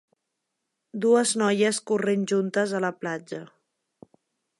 Dues noies corrent juntes a la platja.